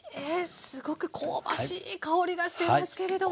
すごく香ばしい香りがしていますけれども。